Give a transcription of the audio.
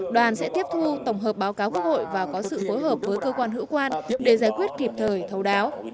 đoàn sẽ tiếp thu tổng hợp báo cáo quốc hội và có sự phối hợp với cơ quan hữu quan để giải quyết kịp thời thấu đáo